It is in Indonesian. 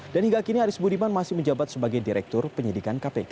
dan hingga kini aris buniman masih menjabat sebagai direktur penyidikan kpk